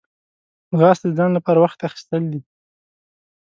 ځغاسته د ځان لپاره وخت اخیستل دي